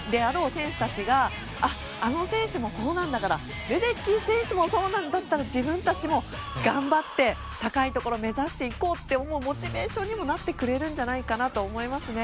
選手たちがあ、あの選手もこうなんだからレデッキー選手もそうなんだったら自分たちも頑張って高いところを目指していこうと思う、モチベーションにもなってくれるんじゃないかなと思いますね。